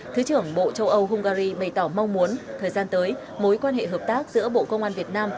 thứ trưởng bộ châu âu hungary bày tỏ mong muốn thời gian tới mối quan hệ hợp tác giữa bộ công an việt nam